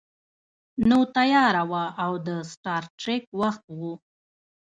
نو تیاره وه او د سټار ټریک وخت و